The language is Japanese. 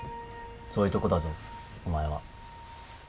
そういうとこだぞお前は。